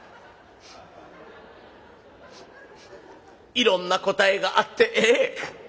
いろんな答えがあってええ。